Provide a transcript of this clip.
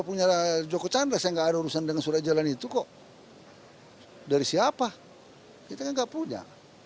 punya joko chandra saya nggak ada urusan dengan surat jalan itu kok dari siapa kita nggak punya